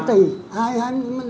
năm tỷ hai mươi năm hectare